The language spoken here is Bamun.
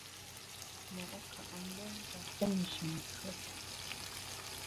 Mo’ nkam mbem ka ntùm nshin nkùet.